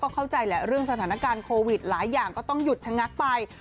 เข้าใจแหละเรื่องสถานการณ์โควิดหลายอย่างก็ต้องหยุดชะงักไป